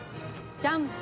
ジャン。